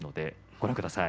ご覧ください。